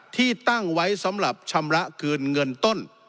ที่ตั้งไว้สำหรับชำระคืนเงินต้น